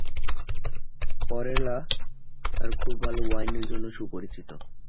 কোরেলা তার খুব ভাল ওয়াইনের জন্য সুপরিচিত।